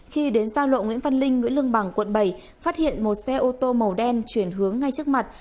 khi đến giao lộ nguyễn văn linh nguyễn lương bằng quận bảy phát hiện một xe ô tô màu đen chuyển hướng ngay trước mặt